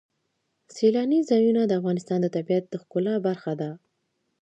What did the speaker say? سیلانی ځایونه د افغانستان د طبیعت د ښکلا برخه ده.